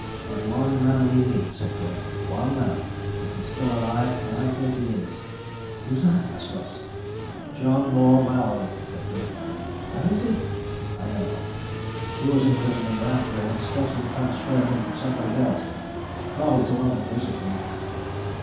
"There's one man we need," said Greg. "One man, if he's still alive, and I think he is." "Who is that?" asked Russ. "John Moore Mallory," said Greg. "Where is he?" "I don't know. He was imprisoned in Ranthoor, but Stutsman transferred him some place else. Possibly to one of the prison fleet."